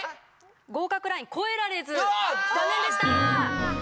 合格ライン超えられず残念でした！